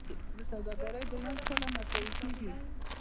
د سوداګرۍ بیلانس کله مساوي کیږي؟